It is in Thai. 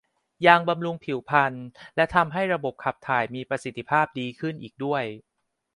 ยังบำรุงผิวพรรณและทำให้ระบบขับถ่ายมีประสิทธิภาพดีขึ้นอีกด้วย